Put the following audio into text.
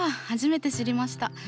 初めて知りました。